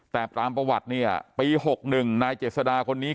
แต่ตามประวัติเนี่ยปี๖๑นายเจษดาคนนี้